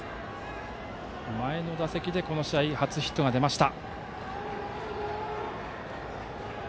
前の打席でこの試合初ヒットが出ました。